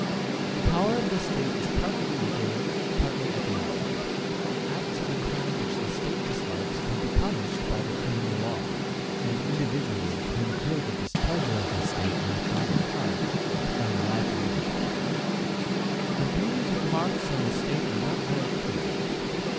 The power of the State is partly legal, partly economic: acts of a kind which the State dislikes can be punished by the criminal law, and individuals who incur the displeasure of the State may find it hard to earn a livelihood. The views of Marx on the State are not very clear.